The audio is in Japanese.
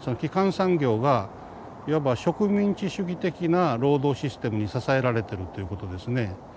その基幹産業がいわば植民地主義的な労働システムに支えられてるっていうことですね。